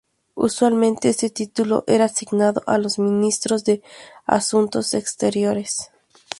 Usualmente, este título era asignado a los Ministros de Asuntos Exteriores.